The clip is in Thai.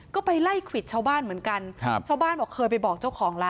ก็ไปไล่ควิดชาวบ้านเหมือนกันครับชาวบ้านบอกเคยไปบอกเจ้าของร้าน